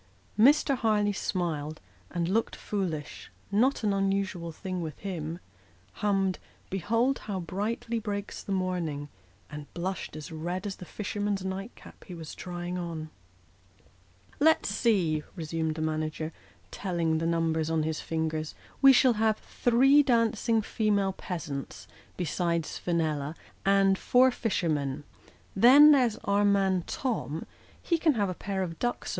Mr. Harleigh smiled, and looked foolish not an unusual thing with him hummed " Behold how brightly breaks the morning," and blushed as red as the fisherman's night cap he was trying on. " Let's see," resumed the manager, telling the number on his fingers, " we shall have three dancing female peasants, besides Fenella, and four fishermen. Then, there's our man Tom ; he can have a pair of ducks